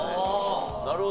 なるほど。